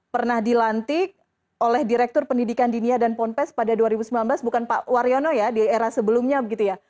pernah dilantik oleh direktur pendidikan dinia dan ponpes pada dua ribu sembilan belas bukan pak waryono ya di era sebelumnya begitu ya